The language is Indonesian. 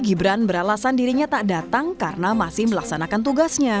gibran beralasan dirinya tak datang karena masih melaksanakan tugasnya